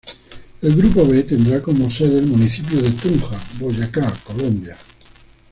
El grupo B tendrá como sede el municipio de Tunja, Boyacá, Colombia.